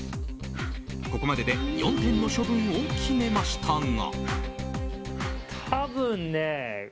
ここまでで４点の処分を決めましたが。